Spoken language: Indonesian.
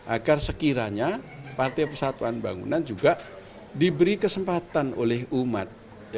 agar sekiranya partai persatuan bangunan juga diberi kesempatan oleh umat